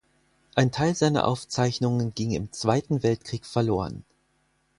Ein Teil seiner Aufzeichnungen ging im Zweiten Weltkrieg verloren.